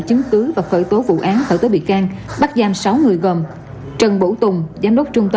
chứng cứ và khởi tố vụ án khởi tố bị can bắt giam sáu người gồm